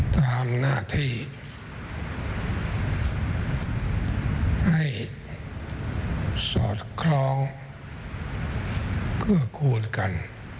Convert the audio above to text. ตามหน้าที่ให้สอดเคราะห์เกื้อกูลกัน